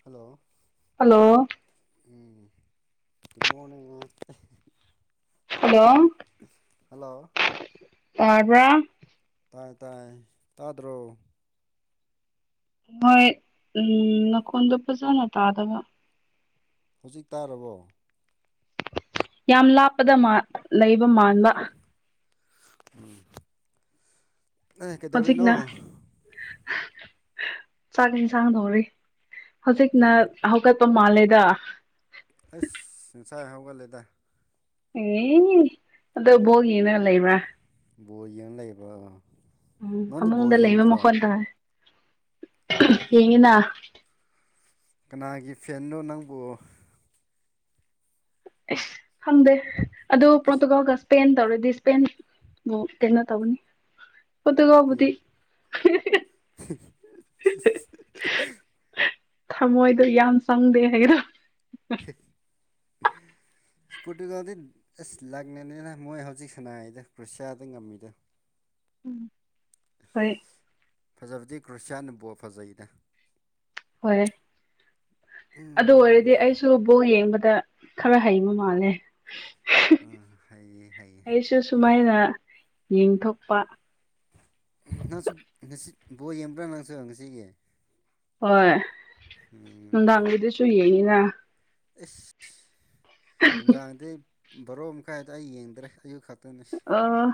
Hello hello um good morning hello hello ꯇꯥꯔꯕ꯭ꯔꯥ ꯇꯥꯏ ꯇꯥꯏ ꯇꯥꯗ꯭ꯔꯣ ꯍꯣꯏ ꯎꯝ ꯅꯈꯣꯟꯗꯣ ꯐꯖꯅ ꯇꯥꯗꯕ ꯍꯧꯖꯤꯛ ꯇꯥꯔꯕꯣ ꯌꯥꯝ ꯂꯥꯞꯄꯗ ꯃꯥꯟ ꯂꯩꯕ ꯃꯥꯟꯕ ꯎꯝ ꯑꯦ ꯀꯩꯗꯧꯔꯤꯅꯣ ꯍꯧꯖꯤꯛꯅ ꯆꯥꯛ ꯏꯟꯁꯥꯡ ꯊꯣꯡꯔꯤ ꯍꯧꯖꯤꯛꯅ ꯀꯩ ꯃꯠ ꯍꯧꯒꯠꯄ ꯃꯥꯜꯂꯦꯗ ꯑꯁ ꯉꯁꯥꯏ ꯍꯥꯎꯒꯠꯂꯦꯗ ꯑꯦ ꯑꯗꯣ ꯕꯣꯒꯤꯅ ꯂꯩꯕ꯭ꯔꯥ ꯕꯣꯔ ꯌꯦꯡ ꯂꯩꯕꯔꯕ ꯎꯝ ꯅꯪꯗꯤ ꯕꯣꯔ ꯌꯦꯡꯗ꯭ꯔꯣ ꯌꯦꯉꯤꯅ ꯀꯅꯥꯒꯤ ꯐꯦꯟꯅꯣ ꯅꯪꯕꯨ ꯑꯦꯁ ꯈꯪꯗꯦ ꯑꯗꯨ ꯏꯁ ꯄꯣꯠꯇꯒꯒꯁ ꯄꯄꯦꯟ ꯇꯧꯔꯗꯤ ꯁꯄꯦꯟꯕꯨꯛ ꯀꯩꯅꯣ ꯇꯧꯅꯤ ꯄꯨꯗꯨꯒꯜꯕꯨꯗꯤ ꯏꯁꯄꯦꯟ ꯊꯝꯃꯣꯏꯗꯣ ꯌꯥꯝ ꯄꯪꯗꯦ ꯍꯥꯏꯔꯣ [unintelligible] ꯄꯣꯔꯇꯨꯒꯥꯜꯗꯤ ꯑꯁ ꯂꯥꯛꯅꯅꯤꯅ ꯃꯣꯏ ꯍꯧꯖꯤꯛ ꯁꯅꯥꯏꯗ ꯀ꯭ꯔꯨꯁꯤꯌꯥꯗ ꯉꯝꯃꯤꯗ ꯍꯣꯏ ꯐꯖꯕꯗꯤ ꯈ꯭ꯔꯤꯁꯌꯥꯅ ꯕꯣꯜ ꯐꯖꯩꯗ ꯍꯣꯏ ꯑꯗꯨ ꯎꯝ ꯑꯣꯏꯔꯗꯤ ꯑꯩꯁꯨ ꯁꯨ ꯕꯣꯜ ꯌꯦꯡꯕꯗ ꯈꯔ ꯍꯩꯕ ꯃꯥꯜꯂꯦ ꯑꯥ ꯍꯩꯌꯦ ꯍꯩꯌꯦ ꯑꯩꯁꯨ ꯁꯨꯃꯥꯏꯅ ꯌꯦꯡꯊꯣꯛꯄ ꯅꯪꯁꯨ ꯉꯁꯤ ꯕꯣꯜ ꯌꯦꯡꯕ꯭ꯔꯥ ꯅꯪꯁꯨ ꯉꯁꯤꯒꯤ ꯍꯣꯏ ꯎꯝ ꯅꯨꯡꯗꯥꯡꯒꯤꯗꯁꯨ ꯌꯦꯡꯅꯤꯅ ꯑꯦꯁ ꯅꯨꯡꯗꯥꯡꯗꯤ ꯕꯥꯔꯣꯛ ꯃꯈꯥꯏ ꯑꯗꯥꯏ ꯌꯦꯡꯗ꯭ꯔꯦ ꯑꯌꯨꯛ ꯈꯛꯇꯅꯤ ꯑꯣ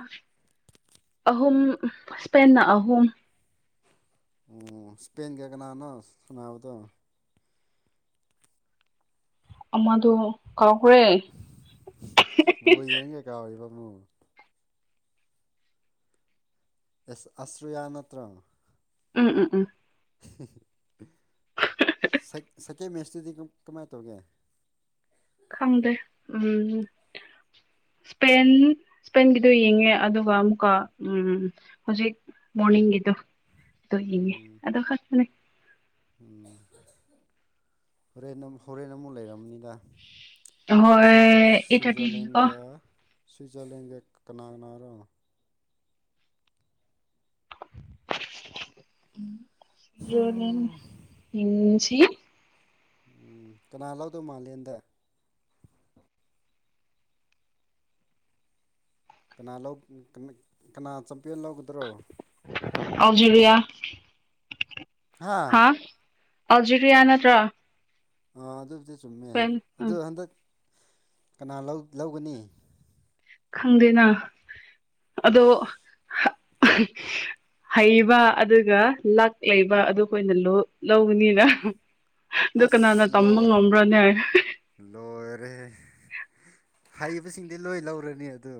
ꯑꯍꯨꯝ ꯁꯄꯦꯟꯅ ꯑꯍꯨꯝ ꯎꯝ ꯏꯁꯄꯦꯟꯒ ꯀꯅꯥꯅꯣ ꯁꯨꯅꯕꯗꯣ ꯑꯃꯗꯣ ꯀꯥꯎꯈ꯭ꯔꯦ ꯕꯣꯜ ꯌꯦꯡꯂꯒ ꯀꯥꯎꯔꯤꯕ ꯑꯃꯨꯛ ꯑꯦꯁ ꯑꯁꯦꯔꯤꯌꯥ ꯅꯠꯇ꯭ꯔ ꯎꯝ ꯎꯝ ꯎꯝ ꯁꯀꯦꯟ ꯃꯦꯁꯇꯨꯗꯤ ꯀꯃꯥꯏꯅ ꯇꯧꯒꯦ ꯈꯪꯗꯦ ꯎꯝ ꯁꯄꯦꯟ ꯏꯁꯄꯦꯟꯒꯤꯗꯣ ꯌꯦꯡꯉꯦ ꯑꯗꯨꯒ ꯑꯃꯨꯛꯀ ꯎꯝ ꯍꯧꯖꯤꯛ ꯃꯣꯔꯅꯤꯒꯤꯗꯣ ꯑꯗꯨ ꯌꯦꯉꯦ ꯑꯗꯨ ꯈꯛꯇꯅꯦ ꯎꯝ ꯍꯣꯔꯦꯟ ꯍꯣꯔꯦꯟ ꯑꯃꯨꯛ ꯂꯩꯔꯝꯅꯤꯗ ꯍꯣꯏ ꯑꯩꯠ ꯊꯥꯔꯇꯤꯒꯤꯀꯣ ꯁ꯭ꯋꯤꯖꯔꯂꯦꯟꯒ ꯁ꯭ꯋꯤꯆꯂꯦꯟꯒ ꯀꯅꯥ ꯀꯅꯥꯔꯣ ꯖꯣꯂꯦꯟ ꯎꯝ ꯏꯟꯖꯤ ꯎꯝ ꯀꯅꯥ ꯂꯧꯗꯧ ꯃꯜꯂꯤ ꯍꯟꯗꯛ ꯀꯅꯥ ꯂꯧ ꯀꯅꯥ ꯆꯝꯄꯦꯜ ꯂꯧꯒꯗ꯭ꯔꯣ ꯑꯜꯖꯦꯔꯤꯂꯤꯌꯥ ꯍꯥ ꯑꯧꯖꯤꯔꯤꯌꯥ ꯅꯠꯇ꯭ꯔꯣ ꯑꯥ ꯑꯗꯨꯕꯨꯗꯤ ꯆꯨꯝꯃꯦ ꯏꯁꯄꯦꯟ ꯑꯗꯨ ꯎꯝ ꯍꯟꯗꯛ ꯀꯅꯥ ꯂꯧ ꯂꯧꯒꯅꯤ ꯈꯪꯗꯦꯅ ꯑꯗꯣ ꯏꯁ ꯍꯩꯕ ꯑꯗꯨꯒ ꯂꯛ ꯂꯩꯕ ꯑꯗꯨ ꯑꯩꯈꯣꯏꯅ ꯂꯧꯕꯅꯤꯅ ꯑꯗꯨ ꯀꯅꯥꯅ ꯑꯁ ꯇꯝꯕ ꯂꯣꯏ ꯉꯝꯕ꯭ꯔꯣꯅꯦ ꯂꯣꯏꯔꯦ ꯍꯩꯕꯁꯤꯡꯗꯤ ꯂꯣꯏ ꯂꯧꯔꯅꯤ ꯑꯗꯨ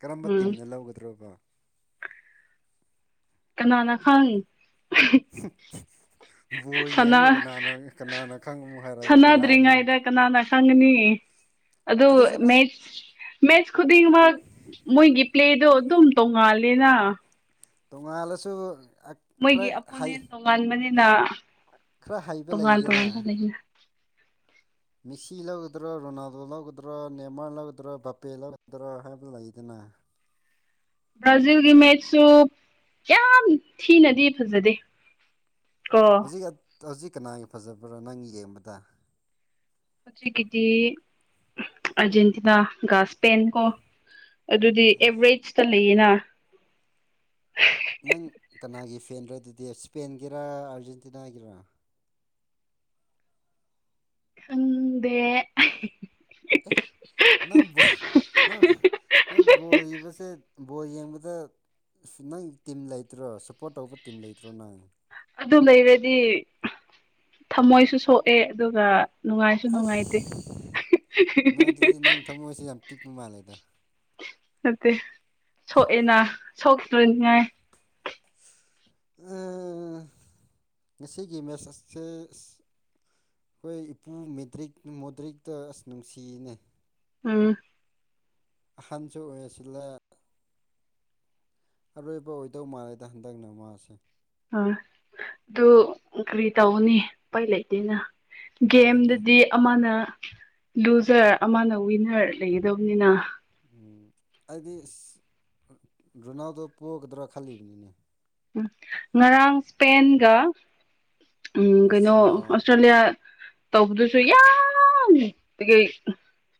ꯀꯔꯝꯕ ꯎꯝ ꯇꯤꯝꯅ ꯂꯧꯒꯗ꯭ꯔꯣꯕ ꯈꯅꯅꯥ ꯈꯪꯅꯤ [inaudible] ꯕꯣꯜ ꯁꯥꯟꯅ ꯌꯦꯡꯉꯒ ꯀꯅꯥꯅ ꯀꯅꯥꯅ ꯈꯪꯉꯝꯃꯣ ꯍꯥꯏꯔꯒꯗꯤ ꯕꯦꯔꯥꯅꯤ ꯁꯥꯟꯅꯗ꯭ꯔꯤꯉꯩꯗ ꯀꯅꯥꯅ ꯈꯪꯒꯅꯤ ꯑꯗꯨ ꯑꯗꯨꯁꯨ ꯅꯪ ꯃꯦꯠꯁ ꯃꯦꯠꯁ ꯈꯨꯗꯤꯡꯃꯛ ꯃꯣꯏꯒꯤ ꯄ꯭ꯂꯦꯗꯣ ꯑꯗꯨꯝ ꯇꯣꯡꯉꯥꯜꯂꯦꯅ꯫ ꯇꯣꯉꯥꯜꯂꯁꯨ ꯃꯣꯏꯒꯤ ꯑꯈꯣꯏ ꯍꯩ ꯑꯄꯣꯅꯦꯟ ꯇꯣꯉꯥꯟꯕꯅꯤꯅ ꯈꯔ ꯍꯩꯕ ꯇꯣꯉꯥꯟ ꯂꯩꯗꯅ ꯇꯣꯉꯥꯟꯕ ꯂꯩꯅ ꯃꯤꯁꯤ ꯂꯧꯒꯗ꯭ꯔꯥ ꯔꯣꯅꯥꯜꯗꯣ ꯂꯧꯒꯗ꯭ꯔꯥ ꯅꯦꯃꯥꯔ ꯂꯧꯒꯗ꯭ꯔꯥ ꯕꯄꯦ ꯂꯧꯒꯗꯔꯥ ꯍꯥꯏꯕ ꯂꯩꯗꯅ꯫ ꯕ꯭ꯔꯥꯖꯤꯜꯒꯤ ꯃꯦꯠꯁꯁꯨ ꯌꯥꯝ ꯊꯤꯅꯗꯤ ꯐꯖꯗꯦ꯫ ꯀꯣ ꯍꯧꯖꯤꯛ ꯍꯧꯖꯤꯛ ꯀꯅꯥꯒꯤ ꯐꯖꯕ꯭ꯔꯥ ꯅꯪ ꯌꯦꯡꯕꯗ? ꯍꯧꯖꯤꯛꯀꯤꯗꯤ ꯑꯔꯖꯦꯟꯇꯤꯅꯥ ꯒꯥꯁ ꯁꯄꯦꯟ ꯀꯣ ꯑꯗꯨꯗꯤ ꯑꯦ ꯑꯦꯕꯔꯦꯖꯇ ꯂꯩꯌꯦꯅ ꯅꯪ ꯀꯅꯥꯒꯤ ꯐꯦꯟꯔꯥ ꯑꯗꯨꯗꯤ ꯁ꯭ꯄꯦꯟꯒꯤꯔꯥ ꯑꯥꯔꯖꯦꯟꯇꯤꯅꯥꯒꯤꯔꯥ? ꯈꯪꯗꯦ ꯑꯦ ꯅꯪ ꯕꯣ ꯅꯪ ꯅꯪ ꯕꯣꯔ ꯏꯕꯁꯦ ꯕꯣꯔ ꯌꯦꯡꯕꯗ ꯑꯁ ꯅꯪ ꯇꯤꯝ ꯂꯩꯇ꯭ꯔꯣ ꯁꯨꯞꯄꯣꯔꯠ ꯇꯧꯕ ꯇꯤꯝ ꯂꯩꯇ꯭ꯔꯣ ꯅꯪ? ꯑꯗꯨꯝ ꯂꯩꯔꯗꯤ ꯊꯝꯃꯣꯏꯁꯨ ꯁꯣꯛꯑꯦ ꯑꯗꯨꯒ ꯅꯨꯡꯉꯥꯏꯁꯨ ꯑꯁ ꯅꯨꯡꯉꯥꯏꯇꯦ ꯅꯪ ꯑꯗꯨꯗꯤ ꯅꯪ ꯊꯃꯣꯏꯁꯦ ꯌꯥꯝ ꯄꯤꯛꯄ ꯃꯥꯜꯂꯦꯗ ꯅꯠꯇꯦ ꯁꯣꯛꯑꯦꯅ ꯁꯣꯛꯇ꯭ꯔꯨꯅꯤꯉꯥꯏ ꯑ ꯉꯁꯤꯒꯤ ꯃꯦꯁꯦ ꯑꯁꯁꯦ ꯈꯣꯏ ꯏꯄꯨ ꯃꯦꯗ꯭ꯔꯤꯛ ꯃꯣꯗ꯭ꯔꯤꯛꯇ ꯑꯁ ꯅꯨꯡꯁꯤꯅꯦ ꯎꯝ ꯑꯍꯟꯁꯨ ꯑꯣꯏꯁꯤꯜꯂꯦ ꯑꯔꯣꯏꯕ ꯑꯣꯏꯗꯧ ꯃꯥꯂꯦꯗ ꯍꯟꯗꯛꯅ ꯃꯥꯁꯦ꯫ ꯑ ꯗꯨ ꯀꯔꯤ ꯇꯧꯅꯤ ꯄꯩ ꯂꯩꯇꯦꯅ ꯑꯗꯨꯅꯦ ꯒꯦꯝꯗꯗꯤ ꯑꯃꯅ ꯂꯨꯖꯔ ꯑꯃꯅ ꯋꯤꯟꯅꯔ ꯂꯩꯒꯗꯕꯅꯤꯅ ꯎꯝ ꯑꯩꯗꯤ ꯏꯁ ꯔꯣꯅꯥꯜꯗꯣ ꯄꯣꯛꯒꯗ꯭ꯔꯥ ꯈꯜꯂꯤꯅꯤꯅꯦ꯫ ꯎ ꯉꯔꯥꯡ ꯁꯄꯦꯟꯒ ꯎꯝ ꯀꯩꯅꯣ ꯑꯁꯇ꯭ꯔꯤꯌꯥ ꯑꯣꯁꯇ꯭ꯔꯦꯂꯤꯌꯥ ꯇꯧꯕꯗꯨꯁꯨ ꯌꯥꯝ ꯀꯩꯀꯩ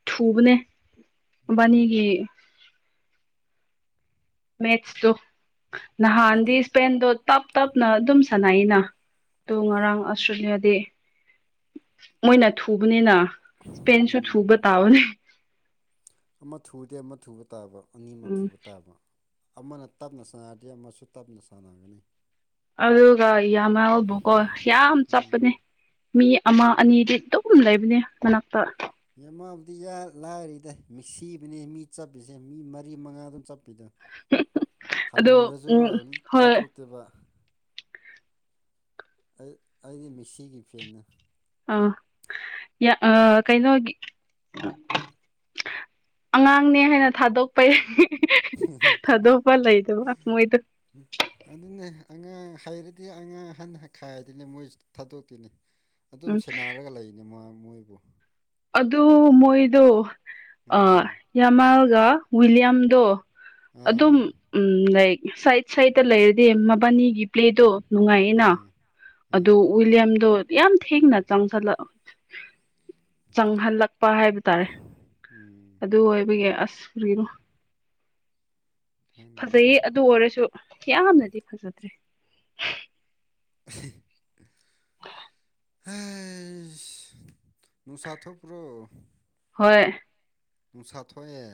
ꯊꯨꯕꯅꯦ ꯃꯕꯥꯟꯅꯤꯒꯤ ꯃꯦꯠꯁꯇꯨ ꯅꯍꯥꯟꯗꯤ ꯑꯩꯗꯤ ꯏꯁꯄꯦꯟꯗꯣ ꯇꯞ ꯇꯞꯅ ꯑꯗꯨꯝ ꯁꯥꯟꯅꯩꯅ ꯇꯣ ꯉꯔꯥꯡ ꯑꯁꯇ꯭ꯔꯦꯂꯤꯌꯥꯗꯤ ꯃꯣꯏꯅ ꯊꯨꯕꯅꯤꯅ ꯏꯁꯄꯦꯟꯁꯨ ꯎꯝ ꯊꯨꯕ ꯇꯥꯕꯅꯦ꯫ ꯑꯃ ꯊꯨꯗꯦ ꯑꯃ ꯊꯨꯕ ꯇꯥꯕ ꯑꯅꯤꯃꯛ ꯎꯝ ꯊꯨꯕ ꯇꯥꯕ ꯑꯃꯅ ꯇꯞꯅ ꯁꯥꯟꯅꯔꯗꯤ ꯑꯃꯁꯨ ꯇꯞꯅ ꯁꯥꯟꯅꯒꯅꯤ꯫ ꯑꯗꯨꯒ ꯌꯥꯝꯃꯕꯣꯀꯣ ꯌꯥꯝ ꯎꯝ ꯆꯞꯄꯅꯦ ꯃꯤ ꯑꯃ ꯑꯅꯤꯗꯤ ꯑꯗꯨꯝ ꯂꯩꯕꯅꯦ ꯃꯅꯥꯛꯇ ꯌꯃꯥꯜꯕꯨꯗꯤ ꯌꯥ ꯂꯥꯏꯔꯤꯗ ꯃꯤꯁꯤꯕꯨꯅꯦ ꯃꯤ ꯆꯞꯄꯤꯁꯦ ꯃꯤ ꯃꯔꯤ ꯃꯉꯥ ꯑꯗꯨꯝ ꯆꯞꯄꯤꯗꯣ꯫ ꯑꯗꯣ ꯍꯟꯅꯨꯔꯁꯨꯀꯣ ꯎꯝ ꯍꯣꯏ ꯊꯗꯣꯛ ꯇꯕ ꯑꯩ ꯑꯩꯗꯤ ꯃꯦꯁꯤꯒꯤ ꯐꯦꯟꯅꯦ ꯑ ꯌꯥ ꯑ ꯀꯩꯅꯣꯒꯤ ꯑꯉꯥꯡꯅꯦ ꯍꯥꯏꯅ ꯊꯥꯗꯣꯛꯄꯩꯔꯅꯤ ꯊꯥꯗꯣꯛꯄ ꯂꯩꯗꯕ ꯃꯣꯏꯗ ꯍꯝ ꯑꯗꯨꯅꯦ ꯑꯉꯥꯡ ꯍꯩꯔꯗꯤ ꯑꯉꯥꯡ ꯑꯍꯟꯅ ꯈꯥꯏꯗꯅꯦ ꯃꯣꯏ ꯊꯥꯗꯣꯛꯇꯣꯏꯅꯦ ꯑꯗꯨꯝ ꯎꯝ ꯁꯦꯟꯅꯔꯒ ꯂꯩꯅꯤ ꯃ ꯃꯣꯏꯕꯨ ꯑꯗꯨ ꯃꯣꯏꯗꯣ ꯎꯝ ꯌꯥꯃꯥꯜꯒ ꯋꯤꯂꯤꯌꯝꯗꯣ ꯑꯥ ꯑꯗꯨꯝ ꯎꯝ ꯂꯥꯏꯛ ꯁꯥꯏꯠ ꯁꯥꯏꯗꯠꯇ ꯂꯩꯔꯗꯤ ꯃꯕꯥꯅꯤꯒꯤ ꯄ꯭ꯂꯦꯗꯣ ꯅꯨꯡꯉꯥꯏꯌꯦꯅ ꯎꯝ ꯑꯗꯨꯣ ꯎꯝ ꯋꯤꯂꯤꯌꯝꯗꯣ ꯌꯥꯝ ꯊꯦꯡꯅ ꯆꯪꯁꯜꯂꯛ ꯆꯪꯍꯜꯂꯛꯄ ꯍꯥꯏꯕ ꯇꯥꯔꯦ ꯎꯝ ꯑꯗꯨ ꯑꯣꯏꯕꯒꯤ ꯑꯁ ꯅ ꯈꯪꯗꯦꯗ ꯐꯖꯩꯌꯦ ꯑꯗꯨ ꯑꯣꯏꯔꯁꯨ ꯀꯌꯅꯗꯤ ꯐꯖꯗ꯭ꯔꯦ [unintelligible] ꯍꯁ ꯅꯨꯡꯁꯥ ꯊꯣꯄ꯭ꯔꯣ ꯍꯣꯏ꯫ ꯅꯨꯡꯁꯥ ꯊꯣꯛꯑꯦ꯫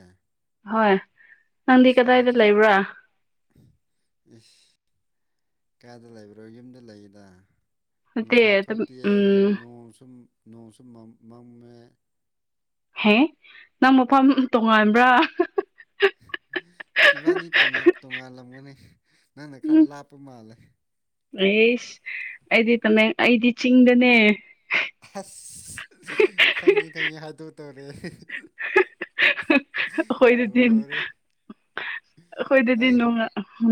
ꯍꯣꯏ꯫ ꯅꯪꯗꯤ ꯏꯁ ꯀꯗꯥꯏꯗ ꯑꯗꯨꯗꯤ꯫ ꯂꯩꯕ꯭ꯔꯥ ꯏꯁ ꯀꯥꯗ ꯂꯩꯕ꯭ꯔꯣ ꯌꯨꯝꯗ ꯂꯩꯌꯦꯗ꯫ ꯅꯠꯇꯦ ꯅꯨꯡꯁꯥ ꯑꯗꯨꯝ ꯊꯣꯛꯇꯤꯌꯦ ꯎꯝ ꯅꯣꯡ ꯅꯣꯡꯁꯨ ꯃꯝꯃꯦ꯫ ꯍꯦ ꯅꯪ ꯃꯐꯝ ꯇꯣꯉꯥꯟꯕ꯭ꯔꯥ꯫ ꯏꯕꯥꯅꯤ ꯇꯣꯉꯥꯜ ꯇꯣꯉꯥꯜꯂꯝꯒꯅꯤ ꯅꯪꯅ ꯈꯔ ꯂꯥꯞꯄ ꯃꯥꯜꯂꯦ꯫ ꯑꯦꯁ ꯑꯩꯗꯤ ꯇꯃꯦꯡ ꯑꯩꯗꯤ ꯆꯤꯡꯗꯅꯦ꯫ ꯍꯥꯁ ꯈꯪꯉꯤ ꯈꯪꯉꯤ ꯍꯥꯏꯗꯣꯛ ꯇꯣꯔꯦ꯫ [unintelligible] ꯑꯩꯈꯣꯏꯗꯨꯗꯤ ꯂꯣꯏꯔꯦ ꯑꯩꯈꯣꯏꯗꯨꯗꯤ ꯑꯩ ꯅꯣꯡꯉ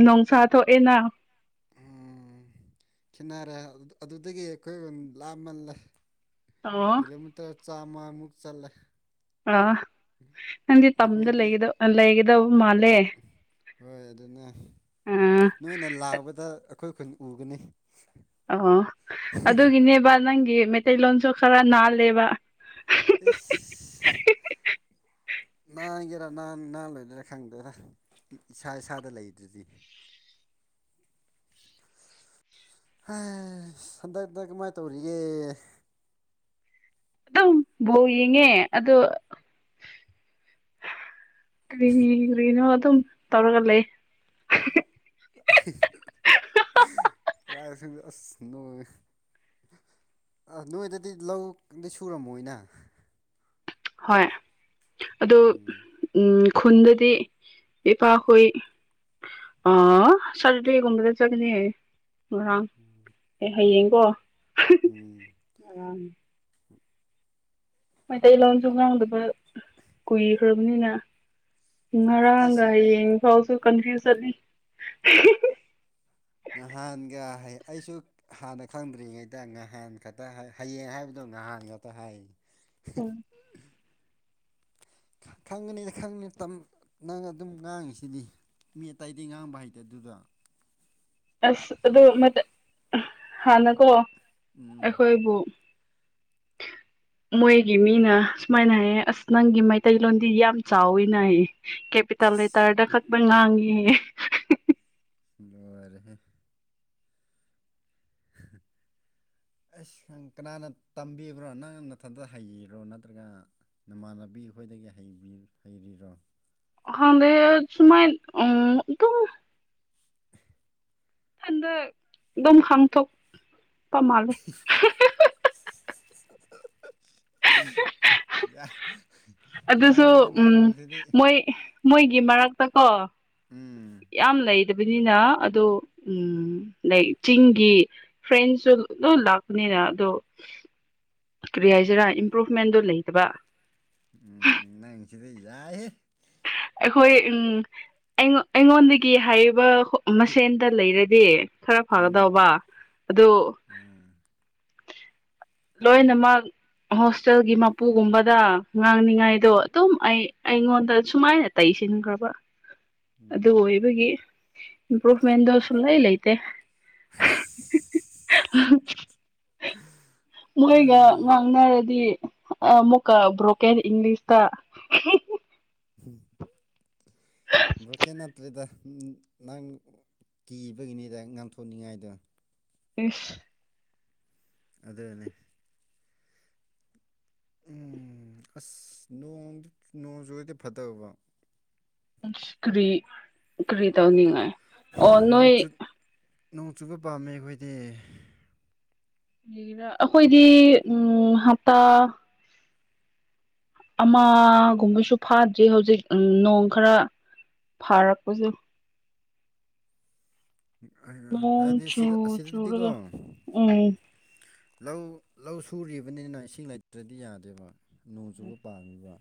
ꯅꯨꯡꯁꯥ ꯊꯣꯛꯑꯦꯅ꯫ ꯎꯝ ꯈꯦꯠꯅꯔꯦ ꯑꯗꯨꯗꯒꯤ ꯑꯩꯈꯣꯏ ꯌꯨꯝ ꯂꯥꯞꯃꯜꯂꯦ꯫ ꯑꯣ ꯀꯤꯂꯣꯃꯤꯇꯔ ꯆꯥꯝꯃꯃꯨꯛ ꯆꯜꯂꯦ꯫ ꯑꯥ ꯅꯪꯗꯤ ꯇꯝꯗ ꯑꯩꯈꯣꯏꯗꯤ ꯂꯩꯒꯗꯕ ꯃꯥꯜꯂꯦ꯫ ꯍꯣꯏ ꯑꯗꯨꯅ ꯑꯥ ꯅꯣꯏꯅ ꯂꯥꯛꯕꯗ ꯑꯩꯈꯣꯏ ꯈꯨꯈꯅ ꯎꯒꯅꯤ꯫ ꯑꯣ ꯑꯗꯨꯒꯤꯅꯦꯕ ꯅꯪꯒꯤ ꯃꯩꯇꯩꯂꯣꯟꯁꯨ ꯈꯔ ꯅꯥꯜꯂꯦꯕ꯫ ꯏ ꯅꯥꯍꯥꯟꯒꯦꯔꯥ ꯅꯍꯥꯟ ꯅꯍꯥꯟ ꯂꯣꯏꯗꯣꯏꯔꯥ ꯈꯪꯗꯦꯗ꯫ ꯏꯁꯥ ꯏꯁꯥꯗ ꯂꯩꯗꯨꯗꯤ꯫ [inaudible] ꯍꯥꯏꯁ ꯍꯟꯗꯛꯗ ꯀꯃꯥꯏꯅ ꯇꯧꯔꯤꯒꯦ꯫ ꯑꯗꯨꯝ ꯕꯣꯜ ꯌꯦꯡꯉꯦ ꯑꯗꯣ ꯀꯔꯤ ꯀꯔꯤꯅꯣ ꯑꯗꯨꯝ ꯇꯧꯔꯒ ꯂꯩꯌꯦ꯫ [unintelligible] ꯂꯥꯏꯞꯁꯤꯡꯗ ꯑꯁ [unintelligible] ꯑ ꯅꯣꯏꯗꯗꯤ ꯂꯧꯗꯤ ꯁꯨꯔꯝꯃꯣꯏꯅ꯫ ꯍꯣꯏ ꯑꯗꯣ ꯎꯝ ꯎꯝ ꯈꯨꯟꯗꯗꯤ ꯏꯄꯥ ꯈꯣꯏ꯫ ꯑꯣ ꯁꯥꯇꯔꯗꯦ ꯒꯨꯝꯕꯗ ꯆꯠꯀꯅꯤ ꯉꯥꯔꯥꯡ꯫ ꯎꯝ꯫ ꯑꯦ ꯍꯌꯦꯡꯀꯣ꯫ ꯎꯝ꯫ ꯉꯔꯥꯡꯅꯦ ꯃꯩꯇꯩꯂꯣꯟꯁꯨ ꯉꯥꯡꯗꯕ ꯀꯨꯏꯈ꯭ꯔꯕꯅꯤꯅ ꯉꯔꯥꯡꯒ ꯑꯁ ꯍꯌꯦꯡꯐꯥꯎꯁꯨ ꯀꯟꯐ꯭ꯌꯨꯁ ꯆꯠꯂꯤ꯫ ꯅꯍꯥꯟꯒ ꯍꯩ ꯑꯩꯁꯨ꯫ ꯍꯥꯟꯅ ꯈꯪꯗ꯭ꯔꯤꯉꯩꯗ ꯉꯍꯥꯟ ꯈꯛꯇ ꯍ ꯍꯌꯦꯡ ꯍꯥꯏꯕꯗꯣ ꯉꯍꯥꯟ ꯈꯛꯇ ꯍꯥꯏ꯫ ꯎꯝ [unintelligible] ꯈꯪꯒꯅꯤ ꯈꯪꯅꯤ ꯇꯝ ꯅꯪ ꯑꯗꯨꯝ ꯉꯥꯡꯉꯤꯁꯤꯗꯤ꯫ ꯃꯤ ꯑꯇꯩꯗꯤ ꯉꯥꯡꯕ ꯍꯩꯇꯦ ꯑꯗꯨꯗ꯫ ꯑꯁ ꯑꯗꯨ ꯑꯃꯇ ꯍꯥꯟꯅꯀꯣ꯫ ꯎꯝ ꯑꯩꯈꯣꯏꯕꯨ꯫ ꯃꯣꯏꯒꯤ ꯃꯤꯅ ꯁꯨꯃꯥꯏꯅ ꯍꯥꯏꯌꯦ ꯑꯁ ꯅꯪꯒꯤ ꯃꯩꯇꯩꯂꯣꯟꯗꯤ ꯌꯥꯝ ꯆꯥꯎꯏꯅ ꯍꯥꯏꯌꯦ꯫ ꯀꯦꯄꯤꯇꯦꯜ ꯂꯦꯇꯔꯗ ꯈꯛꯇ ꯉꯥꯡꯉꯦꯌꯦ ꯂꯣꯏꯔꯦꯍꯦ꯫ [unintelligible] ꯑꯁ ꯈꯪ ꯀꯅꯥꯅ ꯇꯝꯕꯤꯕ꯭ꯔꯣ ꯅꯪ ꯅꯊꯟꯗ ꯍꯩꯔꯣ ꯅꯠꯇ꯭ꯔꯒ ꯅꯃꯥꯟꯅꯕꯤ ꯍꯣꯏꯗꯒꯤ ꯍꯩꯔꯤ ꯍꯩꯔꯤꯔꯣ꯫ ꯈꯪꯗꯦ ꯁꯨꯃꯥꯏ ꯎꯝ ꯑꯗꯨꯝ ꯏꯊꯟꯗ ꯑꯗꯨꯝ ꯈꯪꯊꯣꯛꯄ ꯃꯥꯜꯂꯤ꯫ [unintelligible] ꯑꯗꯨꯁꯨ ꯌꯥꯏ ꯌꯥꯏ ꯎꯝ ꯅꯪꯁꯤꯗꯤ ꯃꯣꯏ ꯃꯣꯏꯒꯤ ꯃꯔꯛꯇꯀꯣ ꯎꯝ ꯌꯥꯝ ꯂꯩ ꯇꯕꯅꯤꯅ ꯑꯗꯣ ꯎꯝ ꯂꯥꯏꯛ ꯆꯤꯡꯒꯤ ꯐ꯭ꯔꯦꯟꯁꯁꯨ ꯂꯣꯏ ꯂꯥꯛꯄꯅꯤꯅ ꯑꯗꯣ ꯀꯔꯤ ꯍꯥꯏꯁꯤꯔꯥ ꯏꯝꯄ꯭ꯔꯨꯚꯃꯦꯟꯗꯣ ꯂꯩꯇꯕ ꯎꯝ ꯅꯪꯁꯤꯗ ꯌꯥꯏꯍꯦ ꯑꯩꯈꯣꯏ ꯎꯝ ꯑꯩꯉꯣ ꯑꯩꯉꯣꯟꯗꯒꯤ ꯍꯩꯕ ꯃꯁꯦꯟꯗ ꯂꯩꯔꯗꯤ ꯈꯔ ꯎꯝ ꯐꯒꯗꯧꯕ ꯑꯗꯨ ꯑꯥ ꯂꯣꯏꯅꯃꯛ ꯍꯣꯁꯇꯦꯜꯒꯤ ꯃꯄꯨꯒꯨꯝꯕꯗ ꯉꯥꯡꯅꯤꯉꯥꯏꯗꯣ ꯑꯗꯨꯝ ꯑꯩ ꯑꯩꯉꯣꯟꯗ ꯁꯨꯃꯥꯏꯅ ꯇꯩꯁꯤꯟꯈ꯭ꯔꯕ ꯑꯗꯨ ꯎꯝ ꯑꯣꯏꯕꯒꯤ ꯏꯝꯄ꯭ꯔꯨꯐꯃꯦꯟꯗꯣ ꯁꯨꯡꯂꯩ ꯂꯩꯇꯦ [unintelligible] ꯃꯣꯏꯒ ꯑꯥ ꯉꯥꯡꯅꯔꯗꯤ ꯑꯃꯨꯛꯀ ꯕ꯭ꯔꯣꯀꯦꯟ ꯏꯪꯂꯤꯁꯇ ꯕ꯭ꯔꯣꯀꯦꯟ ꯅꯠꯇ꯭꯭ꯔꯦꯗ ꯅꯪ ꯀꯤꯕꯒꯤꯅꯤꯗ ꯉꯥꯡꯊꯣꯛꯅꯤꯡꯉꯥꯏꯗꯣ ꯏꯁ ꯑꯗꯨꯅꯦ ꯎꯝ ꯑꯁ ꯅꯣꯡꯗꯨ ꯅꯣꯡ ꯆꯨꯨꯔꯗꯤ ꯐꯗꯧꯕ ꯀ꯭ꯔꯤ ꯀ꯭ꯔꯤ ꯇꯧꯅꯤꯡꯉꯥꯏ ꯑꯣ ꯅꯣꯡ ꯅꯣꯏ ꯆꯨꯠ ꯅꯣꯡ ꯆꯨꯕ ꯄꯥꯝꯃꯦ ꯑꯩꯈꯣꯏꯗꯤ [unintelligible] ꯑꯩꯈꯣꯏꯗꯤ ꯎꯝ ꯍꯞꯇꯥ ꯑꯃꯒꯨꯝꯕꯁꯨ ꯐꯥꯗ꯭ꯔꯤ ꯍꯧꯖꯤꯛ ꯎꯝ ꯅꯣꯡ ꯈꯔ ꯐꯥꯔꯛꯄꯖꯨ [unintelligible] ꯍꯥꯏꯗꯤ ꯁꯤꯗ ꯑꯁꯤꯗꯗꯤꯗꯤꯀꯣ ꯆꯨꯔꯒ ꯎꯝ ꯂꯧ ꯂꯧ ꯁꯨꯔꯤꯕꯅꯤꯅ ꯏꯁꯤꯡ ꯂꯩꯇ꯭ꯔꯗꯤ ꯌꯥꯗꯦꯕ ꯅꯣꯡ ꯆꯨꯕ ꯄꯥꯝꯃꯤꯕ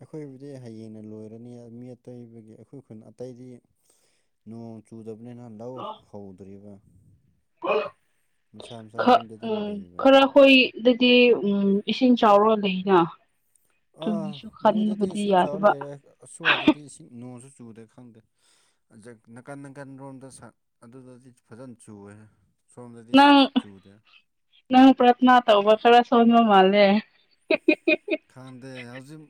ꯑꯩꯈꯣꯏꯕꯨꯗꯤ ꯍꯌꯦꯡꯅ ꯂꯣꯏꯔꯅꯤ ꯃꯤ ꯑꯇꯩꯕꯒꯤ ꯑꯩꯈꯣꯏ ꯈꯨꯟ ꯑꯇꯩꯗꯤ ꯅꯣꯡ ꯆꯨꯗꯕꯅꯤꯅ ꯂꯧ ꯍꯧꯗ꯭ꯔꯤꯕ ꯃꯁꯥ ꯃꯁꯥ ꯈ ꯌꯨꯝꯗ ꯑꯗꯨꯝ ꯎꯝ ꯂꯩꯕ ꯈꯔ ꯍꯣꯏ ꯑꯗꯨꯗꯤ ꯎꯝ ꯏꯁꯤꯡ ꯆꯥꯎꯔ ꯂꯩꯅ ꯑꯥ ꯑꯗꯨꯒꯤꯁꯨ ꯃꯣꯏꯗꯗꯤ ꯈꯟꯕꯗꯤ ꯏꯁꯤꯡ ꯆꯥꯎꯔ ꯌꯥꯗꯕ ꯂꯩꯔꯦ ꯑꯁ꯭ꯋꯥꯏꯗꯗꯤ ꯏꯁꯤꯡ ꯅꯣꯡꯁꯨ ꯆꯨꯗꯦ ꯈꯪꯗꯦ [unintelligible] ꯅꯥꯀꯟ ꯅꯥꯀꯟ ꯔꯣꯝꯗ ꯁ ꯑꯗꯨꯗꯗꯤ ꯐꯖꯅ ꯆꯨꯋꯦꯍꯦ ꯁꯣꯝꯗꯗꯤ ꯅꯪ ꯆꯨꯗꯦ ꯅꯪ ꯄ꯭ꯔꯊꯅꯥ ꯇꯧꯕ ꯈꯔ ꯁꯣꯟꯕ ꯃꯥꯜꯂꯦ ꯈꯪꯗꯦ ꯍꯧꯖꯤꯛ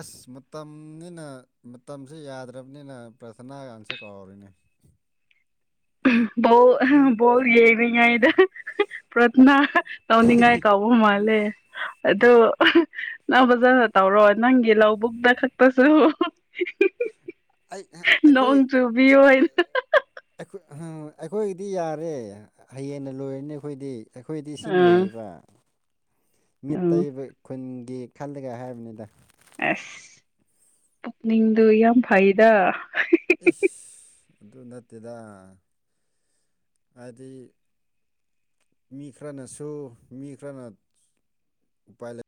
ꯑ꯭ꯁ ꯃꯇꯝꯅꯤꯅ ꯃꯇꯝꯁꯦ ꯌꯥꯗ꯭ꯔꯕꯅꯤꯅ ꯄꯔꯊꯅꯥ ꯀꯥꯡꯁꯦ ꯀꯥꯎꯔꯦꯅꯦ ꯕꯣꯜ ꯕꯣꯜ ꯌꯦꯡꯉꯤꯉꯩꯗ ꯄ꯭ꯔꯠꯅꯥ ꯇꯧꯅꯤꯡꯉꯥꯏ ꯀꯥꯎꯕ ꯃꯥꯜꯂꯦ ꯑꯗꯣ ꯅꯪ ꯕꯖꯥꯔꯅ [unintelligible] ꯇꯧꯔꯣ ꯅꯪꯒꯤ ꯂꯧꯕꯨꯛꯇ ꯈꯛꯇꯁꯨ ꯑꯩ ꯑꯩꯈꯣꯏ ꯅꯣꯡ ꯆꯨꯕꯤꯑꯣ ꯍꯥꯏꯅ ꯑꯩꯈꯣꯏ ꯑꯩꯈꯣꯏꯒꯤꯗꯤ ꯌꯥꯔꯦ ꯍꯌꯦꯡꯅ ꯂꯣꯏꯔꯅꯤ ꯑꯩꯈꯣꯏꯗꯤ ꯑꯩꯈꯣꯏꯗꯤ ꯏꯁꯤꯡ ꯑꯥ ꯂꯩꯌꯦꯕ ꯃꯤꯠ ꯎꯝ ꯇꯕ [unintelligible] ꯈꯨꯟꯒꯤ ꯈꯜꯂꯒ ꯍꯥꯏꯕꯅꯤꯗ ꯑ꯭ꯁ ꯄꯨꯛꯅꯤꯡꯗꯨ ꯌꯥꯝ ꯐꯩꯗ ꯏ꯭ꯁ ꯑꯗꯨ ꯅꯠꯇꯦꯗ ꯍꯥꯏꯗꯤ ꯃꯤ ꯈꯔꯅꯁꯨ ꯃꯤ ꯈꯔꯅ ꯎꯄꯥꯏ ꯂꯩ